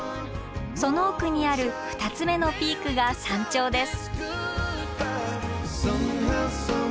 その奥にある２つ目のピークが山頂です。